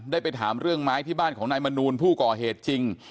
ได้ไปถามเรื่องไม้ที่บ้านของนายมนูลผู้ก่อเหตุจริง